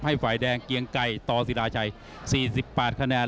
ฝ่ายแดงเกียงไก่ต่อศิราชัย๔๘คะแนน